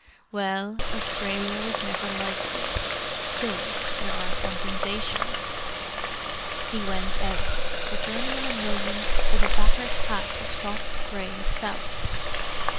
Well, Australia was never like this. Still, there are compensations." He went out, returning in a moment with a battered hat of soft grey felt.